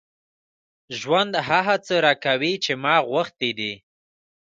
ژوند هغه څه راکوي چې ما غوښتي دي.